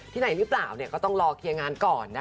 ไหนหรือเปล่าก็ต้องรอเคลียร์งานก่อนนะคะ